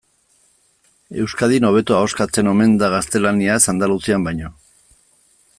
Euskadin hobeto ahoskatzen omen da gaztelaniaz Andaluzian baino.